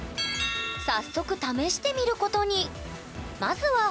早速試してみることに！